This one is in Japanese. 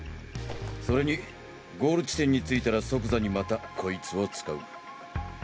それにゴール地点に着いたら即座にまたこいつを使う。